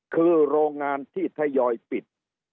คือโรงงานที่ทยอยปิด